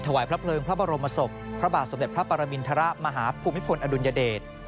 ถวายพระเพลิงพระบรมศพพระบาทสมเด็จพระปรมินทรมาฮภูมิพลอดุลยเดช